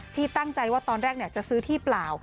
ที่ตั้งใจว่าตอนแรกจะซื้อที่เปล่า